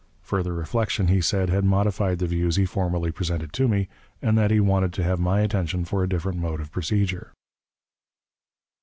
Further reflection, he said, had modified the views he formerly presented to me, and that he wanted to have my attention for a different mode of procedure.